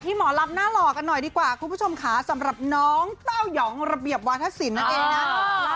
หมอลำหน้าหล่อกันหน่อยดีกว่าคุณผู้ชมค่ะสำหรับน้องเต้ายองระเบียบวาธศิลปนั่นเองนะ